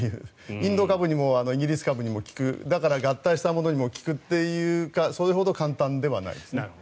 インド株にもイギリス株にも効くだから合体したものにも効くというそれほど簡単ではないですね。